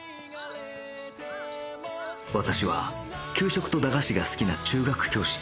私は給食と駄菓子が好きな中学教師